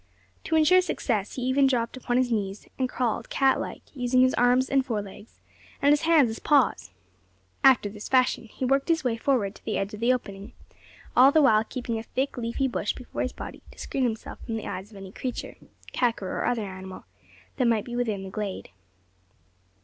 To ensure success, he even dropped upon his knees, and crawled cat like, using his arms as forelegs and his hands as paws! After this fashion he worked his way forward to the edge of the opening all the while keeping a thick leafy bush before his body to screen himself from the eyes of any creature kakur or other animal that might be within the glade.